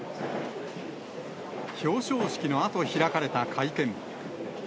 表彰式のあと、開かれた会見。